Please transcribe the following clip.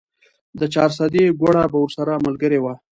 د چارسدې ګوړه به ورسره ملګرې وه.